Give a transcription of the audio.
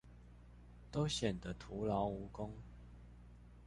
都顯得徒勞無功